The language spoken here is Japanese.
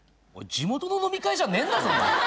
地元の飲み会じゃねえんだぞ。